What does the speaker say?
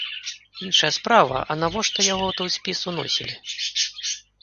Іншая справа, навошта яго ў той спіс уносілі?